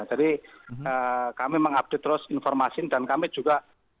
jadi kami mengupdate terus informasi dan kami juga